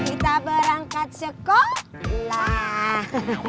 kita berangkat sekolah